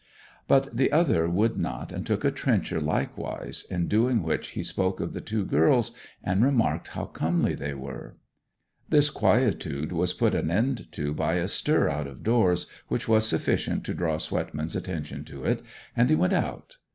But the other would not, and took a trencher likewise, in doing which he spoke of the two girls and remarked how comely they were. This quietude was put an end to by a stir out of doors, which was sufficient to draw Swetman's attention to it, and he went out.